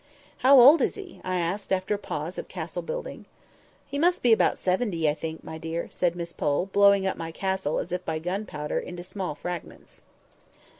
"How old is he?" I asked, after a pause of castle building. "He must be about seventy, I think, my dear," said Miss Pole, blowing up my castle, as if by gun powder, into small fragments.